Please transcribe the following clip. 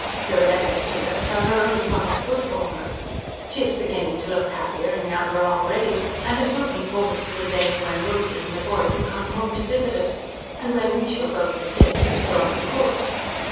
Your letters to her tell her only what is good for her. She is beginning to look happier and younger already, and is looking forward to the day when Rosy and the boy will come home to visit us, and when we shall go in state to Stornham Court.